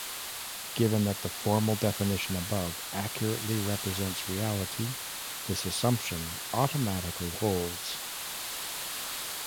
Given that the formal definition above accurately represents reality, this assumption automatically holds.